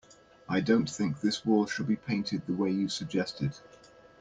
I don't think this wall should be painted the way you suggested.